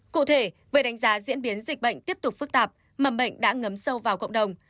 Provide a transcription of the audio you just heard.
cụ thể về đánh giá diễn biến dịch bệnh tiếp tục phức tạp mầm bệnh đã ngấm sâu vào cộng đồng